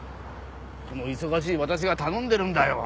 この忙しい私が頼んでるんだよ。